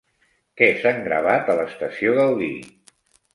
Què s'han gravat a l'estació Gaudí?